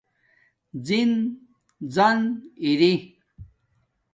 زِن زَن ارائ